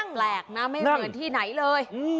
แปลกนะไม่เหมือนที่ไหนเลย